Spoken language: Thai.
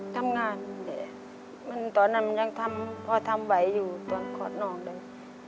ทำงานแต่ตอนนั้นมันยังทำพ่อทำไหวอยู่ตอนคลอดน้องเลย